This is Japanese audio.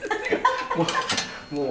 もう。